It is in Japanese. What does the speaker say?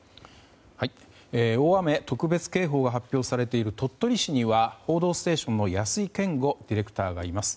大雨特別警報が発表されている鳥取市には「報道ステーション」の安井健吾ディレクターがいます。